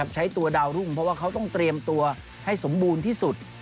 ใช้ตัวดาวรุ่งเพราะว่าเขาต้องเตรียมตัวให้สมบูรณ์ที่สุด